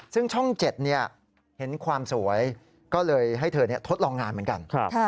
ซึ่งช่อง๗เห็นความสวยก็เลยให้เธอทดลองงานเหมือนกัน